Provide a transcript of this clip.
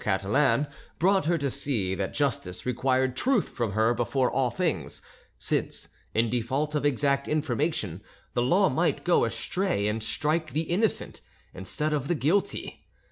Catalan brought her to see that justice required truth from her before all things, since, in default of exact information, the law might go astray, and strike the innocent instead of the guilty.